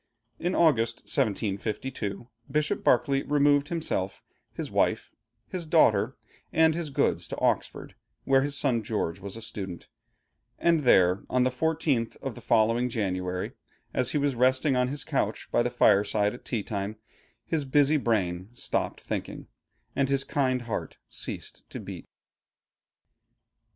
In August, 1752, Bishop Berkeley removed himself, his wife, his daughter, and his goods to Oxford, where his son George was a student; and here on the fourteenth of the following January, as he was resting on his couch by the fireside at tea time, his busy brain stopped thinking, and his kind heart ceased to beat.